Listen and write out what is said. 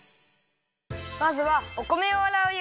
まずはお米をあらうよ。